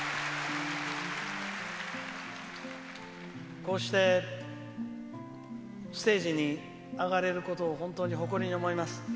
こうしてステージに上がれることを本当に誇りに思います。